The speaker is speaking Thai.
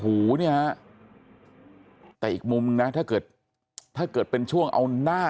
หูเนี่ยฮะแต่อีกมุมนึงนะถ้าเกิดถ้าเกิดเป็นช่วงเอาหน้า